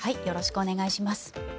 よろしくお願いします。